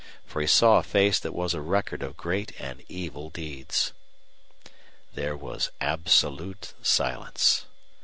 For he saw a face that was a record of great and evil deeds. There was absolute silence.